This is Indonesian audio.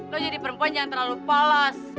kau jadi perempuan jangan terlalu polos